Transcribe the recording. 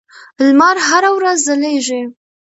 لمر هره ورځ ځلېږي.